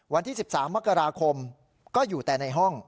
วันที่๑๓มกราคมก็อยู่แต่ในห้อง